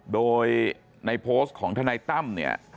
โดยในโพสต์ของทนายตั้มเนี่ย